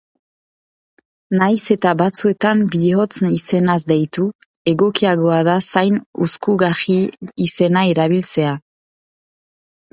Nahiz eta batzuetan bihotz izenaz deitu, egokiagoa da zain uzkurgarri izena erabiltzea.